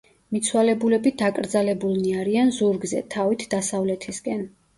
მიცვალებულები დაკრძალებულნი არიან ზურგზე, თავით დასავლეთისკენ.